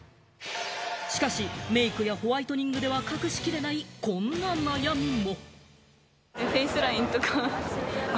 しかしメイクやホワイトニングでは隠しきれないこんな悩みも。